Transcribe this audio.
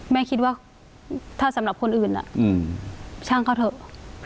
แม่คิดว่าถ้าสำหรับคนอื่นช่างเขาเถอะ